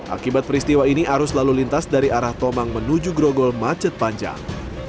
akibat peristiwa ini arus lalu lintas dari arah tomang menuju grogol macet panjang